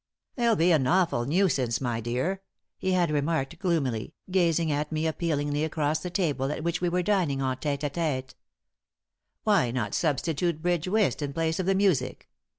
"They'll be an awful nuisance, my dear," he had remarked, gloomily, gazing at me appealingly across the table at which we were dining en tête à tête. "Why not substitute bridge whist in place of the music?